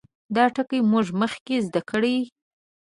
دا ټګي موږ مخکې زده کړې.